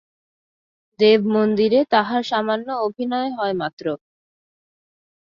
দেবমন্দিরে তাহার সামান্য অভিনয় হয় মাত্র।